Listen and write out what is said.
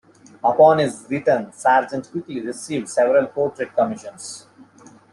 Upon his return, Sargent quickly received several portrait commissions.